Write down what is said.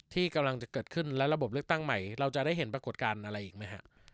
ที่กำลังจะเกิดขึ้นและระบบเลือกตั้งใหม่เราจะได้เห็นปรากฏการณ์อะไรอีกไหมฮะ